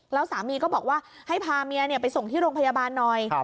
แล้วสามีก็บอกว่าให้พาเมียไปส่งที่โรงพยาบาลหน่อย